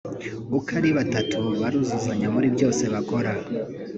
uko ari batatu baruzuzanya muri byose bakora